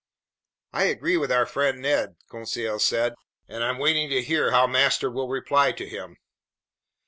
"I agree with our friend Ned," Conseil said, "and I'm waiting to hear how master will reply to him."